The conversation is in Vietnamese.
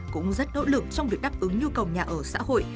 cũng rất nỗ lực trong việc đáp ứng nhu cầu nhà ở xã hội